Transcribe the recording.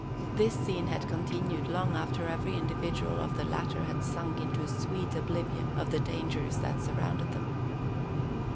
This scene had continued long after every individual of the latter had sunk into a sweet oblivion of the dangers that surrounded them.